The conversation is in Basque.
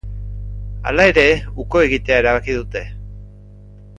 Hala ere, uko egitea erabaki dute.